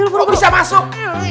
kok bisa masuk